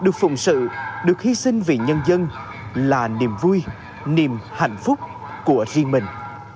cùng sự được hy sinh vì nhân dân là niềm vui niềm hạnh phúc của riêng mình